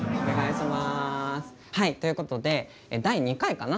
はいということで第２回かな？